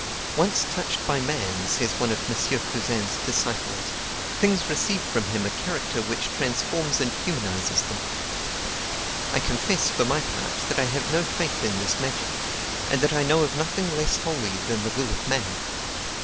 "Once touched by man," says one of M. Cousin's disciples, "things receive from him a character which transforms and humanizes them." I confess, for my part, that I have no faith in this magic, and that I know of nothing less holy than the will of man.